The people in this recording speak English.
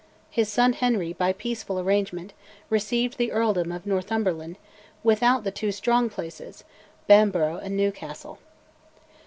His son Henry, by peaceful arrangement, received the Earldom of Northumberland, without the two strong places, Bamborough and Newcastle.